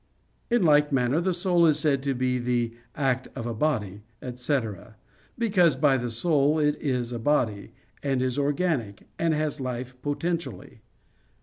In like manner, the soul is said to be the "act of a body," etc., because by the soul it is a body, and is organic, and has life potentially.